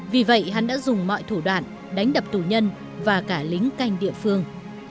vì vậy hắn đã dùng mọi thủ đoạn đánh đập tù nhân và cả lính canh địa phương